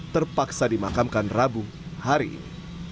terpaksa dimakamkan rabu hari ini